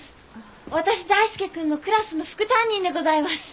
私大介君のクラスの副担任でございます。